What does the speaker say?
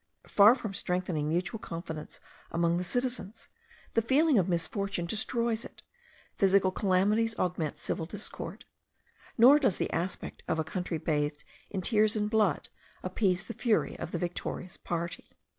Far from strengthening mutual confidence among the citizens, the feeling of misfortune destroys it; physical calamities augment civil discord; nor does the aspect of a country bathed in tears and blood appease the fury of the victorious party.